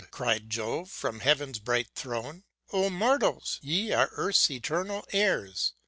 cried Jove, from Heaven's, bright throne , ,5 Oh mortals! ŌĆö ye are Earth's eternal heirs!